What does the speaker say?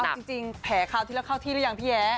เอาจริงแผลคราวที่แล้วเข้าที่หรือยังพี่แย้